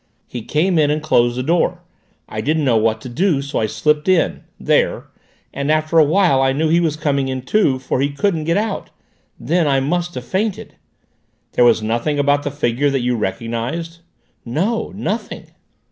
He came in and closed the door. I didn't know what to do, so I slipped in there, and after a while I knew he was coming in too, for he couldn't get out. Then I must have fainted." "There was nothing about the figure that you recognized?" "No. Nothing."